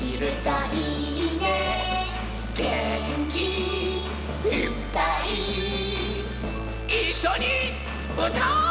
「げんきいっぱい」「いっしょにうたおう！」